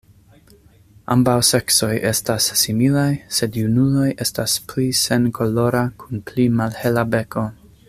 Ambaŭ seksoj estas similaj, sed junuloj estas pli senkolora kun pli malhela beko.